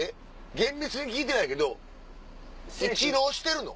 厳密に聞いてないけど１浪してるの？